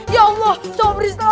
ya allah sabri selamat